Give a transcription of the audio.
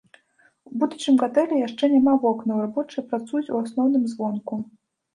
У будучым гатэлі яшчэ няма вокнаў, рабочыя працуюць у асноўным звонку.